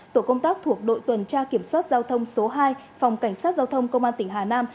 tổ công tác thuộc đội tuần tra kiểm soát giao thông số hai phòng cảnh sát giao thông công an tỉnh hà nam